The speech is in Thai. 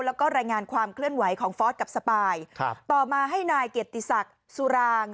แล้วก็รายงานความเคลื่อนไหวของฟอสกับสปายครับต่อมาให้นายเกียรติศักดิ์สุราง